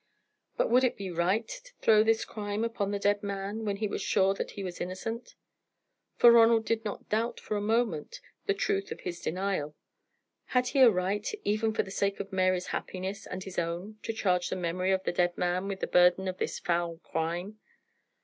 But would it be right to throw this crime upon the dead man when he was sure that he was innocent? For Ronald did not doubt for a moment the truth of the denial. Had he a right, even for the sake of Mary's happiness and his own, to charge the memory of the dead man with the burden of this foul crime?